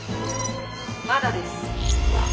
「まだです」。